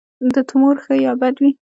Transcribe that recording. د تومور ښه یا بد وي.